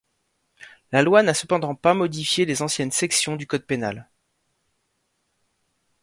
La loi n'a cependant pas modifié les anciennes sections du code pénal.